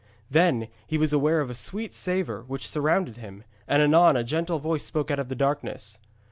Then he was aware of a sweet savour which surrounded him, and anon a gentle voice spoke out of the darkness.